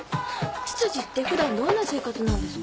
執事って普段どんな生活なんですか？